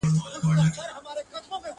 زه چي اوس نوم گراني د چا اخـــــلـــمـــــه!